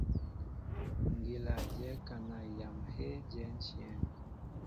Ŋgíla dyɛ kana yam heé diɛnshɛŋ.